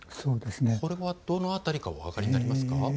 これはどの辺りか分かりますか。